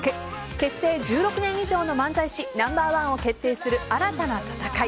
結成１６年以上の漫才師ナンバーワンを決定する新たな戦い。